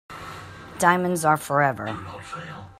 Diamonds are forever.